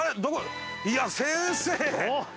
いや、先生！